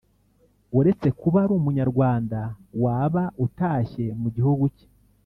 uretse kuba ari Umunyarwanda waba utashye mu gihugu cye